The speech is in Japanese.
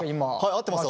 合ってます！